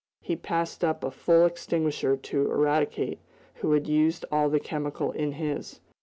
He passed up a full extinguisher to Eradicate, who had used all the chemical in his.